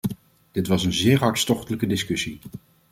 Dit was een zeer hartstochtelijke discussie.